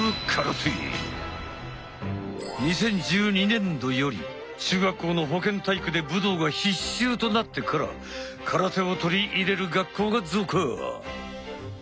２０１２年度より中学校の保健体育で武道が必修となってから空手を取り入れる学校が増加。